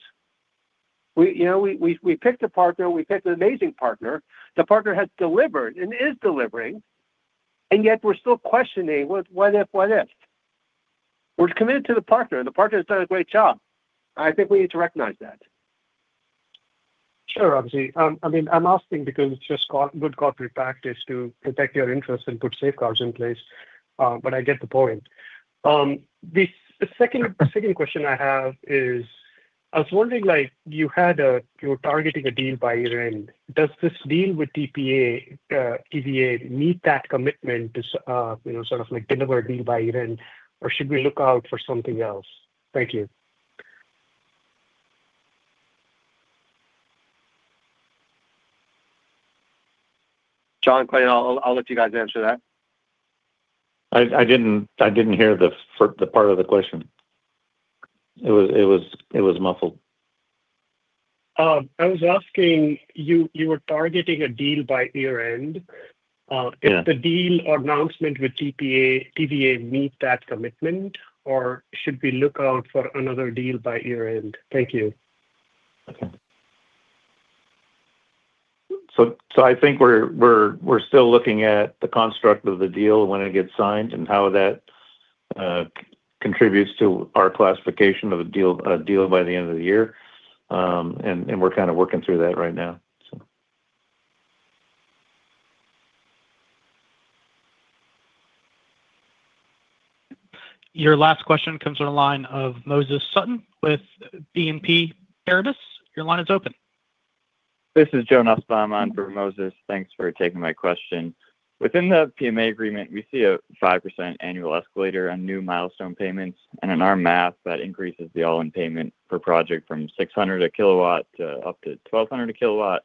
S4: We picked a partner. We picked an amazing partner. The partner has delivered and is delivering. Yet we're still questioning, "What if, what if?" We're committed to the partner. The partner has done a great job. I think we need to recognize that.
S14: Sure, Ramsey. I mean, I'm asking because it's just good corporate practice to protect your interests and put safeguards in place. I get the point. The second question I have is, I was wondering, you were targeting a deal by Iran. Does this deal with TVA meet that commitment to sort of deliver a deal by Iran? Or should we look out for something else? Thank you.
S4: John, Clay, I'll let you guys answer that.
S7: I didn't hear the part of the question. It was muffled.
S14: I was asking, you were targeting a deal by year-end. If the deal or announcement with TVA meets that commitment, or should we look out for another deal by year-end? Thank you.
S7: Okay. I think we're still looking at the construct of the deal when it gets signed and how that contributes to our classification of a deal by the end of the year. We're kind of working through that right now.
S1: Your last question comes from the line of Moses Sutton with BNP Paribas. Your line is open. This is Jonas Bahman for Moses. Thanks for taking my question. Within the PMA agreement, we see a 5% annual escalator on new milestone payments. In our math, that increases the all-in payment per project from $600 a kW to up to $1,200 a kW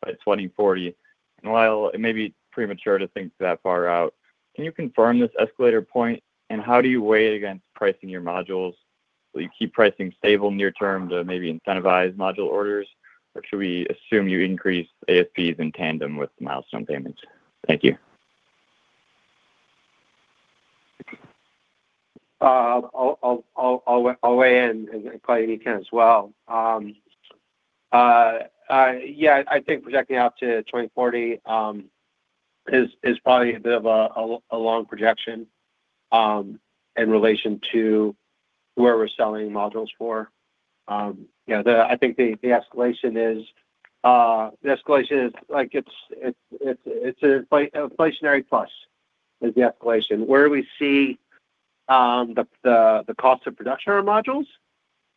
S1: by 2040. While it may be premature to think that far out, can you confirm this escalator point? How do you weigh it against pricing your modules? Will you keep pricing stable near-term to maybe incentivize module orders? Or should we assume you increase ASPs in tandem with milestone payments? Thank you.
S4: I'll weigh in, Clay, if you can as well. Yeah. I think projecting out to 2040 is probably a bit of a long projection. In relation to where we're selling modules for, I think the escalation is an inflationary plus is the escalation. Where we see the cost of production of our modules,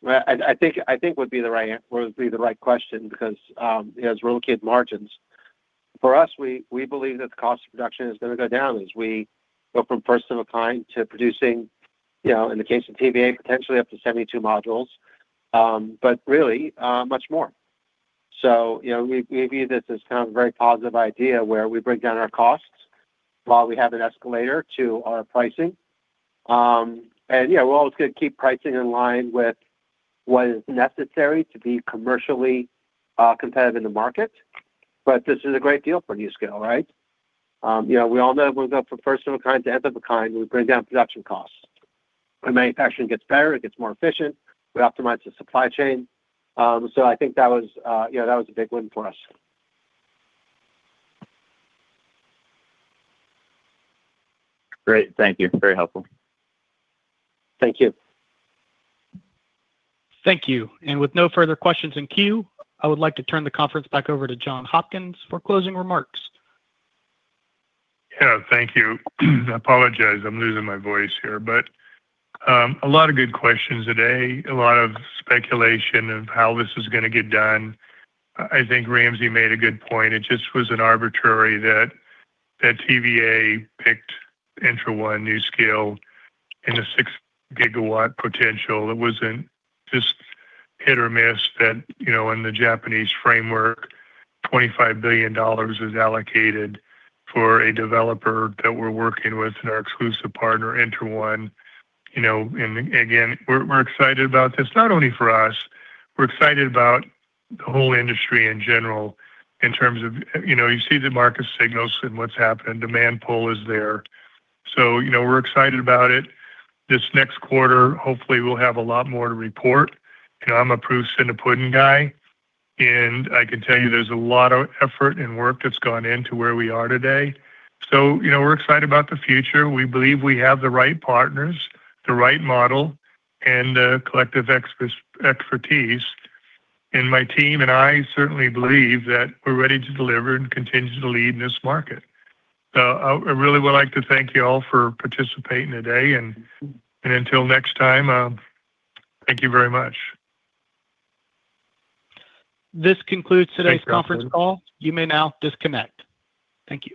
S4: I think would be the right question because as we're looking at margins, for us, we believe that the cost of production is going to go down as we go from first of a kind to producing, in the case of TVA, potentially up to 72 modules, but really much more. We view this as kind of a very positive idea where we break down our costs while we have an escalator to our pricing. Yeah, we're always going to keep pricing in line with what is necessary to be commercially competitive in the market. This is a great deal for NuScale, right? We all know when we go from first of a kind to end of a kind, we break down production costs. The manufacturing gets better. It gets more efficient. We optimize the supply chain. I think that was a big win for us. Great. Thank you. Very helpful. Thank you.
S1: Thank you. With no further questions in queue, I would like to turn the conference back over to John Hopkins for closing remarks.
S3: Yeah. Thank you. I apologize. I'm losing my voice here. A lot of good questions today. A lot of speculation of how this is going to get done. I think Ramsey made a good point. It just was not arbitrary that TVA picked ENTRA1, NuScale. In the 6 GW potential. It was not just hit or miss that in the Japanese framework, $25 billion is allocated for a developer that we are working with and our exclusive partner, ENTRA1. Again, we are excited about this. Not only for us. We are excited about the whole industry in general in terms of you see the market signals and what is happening. Demand pull is there. We are excited about it. This next quarter, hopefully, we will have a lot more to report. I am a proofs in the pudding guy. I can tell you there's a lot of effort and work that's gone into where we are today. We are excited about the future. We believe we have the right partners, the right model, and the collective expertise. My team and I certainly believe that we're ready to deliver and continue to lead in this market. I really would like to thank you all for participating today. Until next time. Thank you very much.
S1: This concludes today's conference call. You may now disconnect. Thank you.